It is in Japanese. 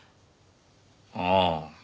ああ。